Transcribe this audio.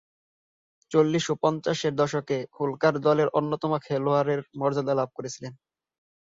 চল্লিশ ও পঞ্চাশের দশকে হোলকার দলের অন্যতম খেলোয়াড়ের মর্যাদা লাভ করেছিলেন।